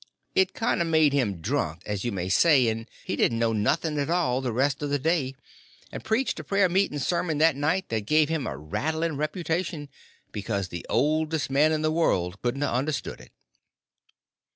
It kind of made him drunk, as you may say, and he didn't know nothing at all the rest of the day, and preached a prayer meeting sermon that night that gave him a rattling ruputation, because the oldest man in the world couldn't a understood it.